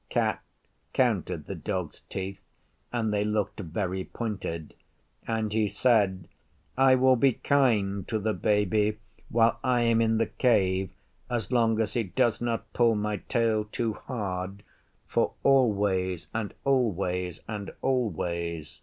Cat counted the Dog's teeth (and they looked very pointed) and he said, 'I will be kind to the Baby while I am in the Cave, as long as he does not pull my tail too hard, for always and always and always.